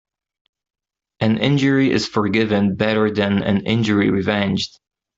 An injury is forgiven better than an injury revenged.